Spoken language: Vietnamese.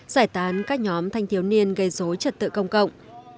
giải tán các nhóm thanh thiếu niên gây dối trật tự công cộng